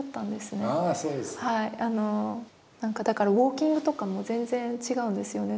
だからウォーキングとかも全然違うんですよね